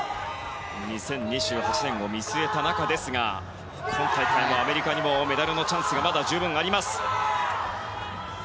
２０２８年を見据えた中ですが今大会、アメリカにもメダルのチャンスがまだ十分あります。